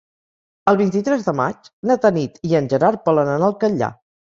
El vint-i-tres de maig na Tanit i en Gerard volen anar al Catllar.